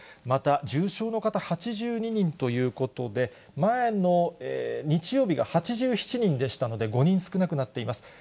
また、重症の方８２人ということで、前の日曜日が８７人でしたので、５人少なくなっています。